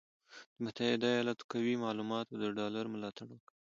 د متحده ایالاتو قوي معلوماتو د ډالر ملاتړ وکړ،